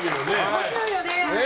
面白いよね。